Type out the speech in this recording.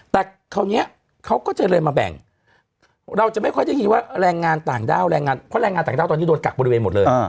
แต่คราวนี้เขาก็จะเลยมาแบ่งเราจะไม่ค่อยได้ยินว่าแรงงานต่างด้าวแรงงานเพราะแรงงานต่างด้าวตอนนี้โดนกักบริเวณหมดเลย